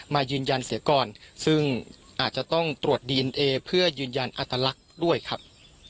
มายืนยันเสียก่อนซึ่งอาจจะต้องตรวจดีเอนเอเพื่อยืนยันอัตลักษณ์ด้วยครับ